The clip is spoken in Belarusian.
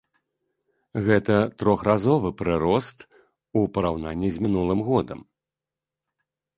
Гэта трохразовы прырост у параўнанні з мінулым годам.